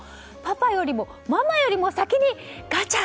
パパよりもママよりも先にガチャ！